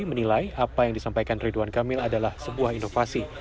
menilai apa yang disampaikan ridwan kamil adalah sebuah inovasi